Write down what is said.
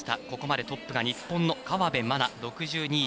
ここまでトップが日本の河辺愛菜。